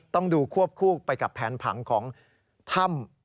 ต้องดูควบคู่ไปกับแผนผังของถ้ำ